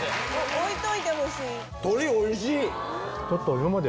置いといてほしい！